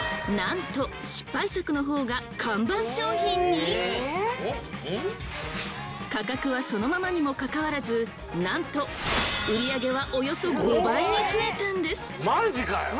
なんと価格はそのままにもかかわらずなんと売り上げはおよそ５倍に増えたんです！